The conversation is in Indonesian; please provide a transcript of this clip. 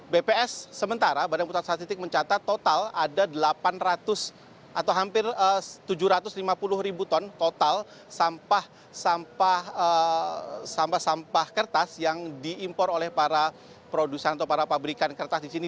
bps sementara badan pusat statistik mencatat total ada delapan ratus atau hampir tujuh ratus lima puluh ribu ton total sampah sampah kertas yang diimpor oleh para produsen atau para pabrikan kertas di sini